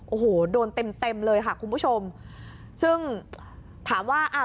โอ้โหโดนเต็มเต็มเลยค่ะคุณผู้ชมซึ่งถามว่าอ่า